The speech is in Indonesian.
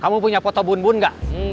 kamu jualan kerudung